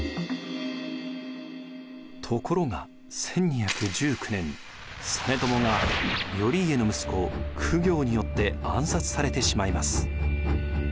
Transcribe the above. ところが１２１９年実朝が頼家の息子公暁によって暗殺されてしまいます。